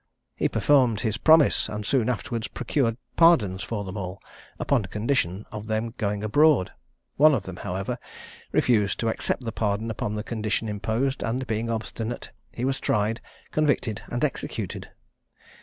He performed his promise, and soon afterwards procured pardons for them all, upon condition of their going abroad. One of them, however, refused to accept the pardon upon the condition imposed; and being obstinate, he was tried, convicted, and executed.